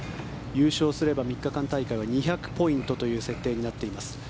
優勝すれば３日間大会は２００ポイントという設定になっています。